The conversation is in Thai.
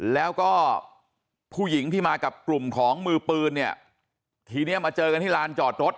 แล้วก็ผู้หญิงที่มากับกลุ่มของมือปืนเนี่ยทีเนี้ยมาเจอกันที่ลานจอดรถ